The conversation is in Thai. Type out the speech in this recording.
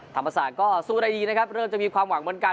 ธรรมศาสตร์ก็สู้ได้ดีนะครับเริ่มจะมีความหวังเหมือนกัน